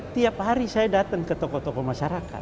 tiap hari saya datang ke tokoh tokoh masyarakat